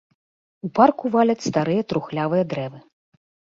У парку валяць старыя трухлявыя дрэвы.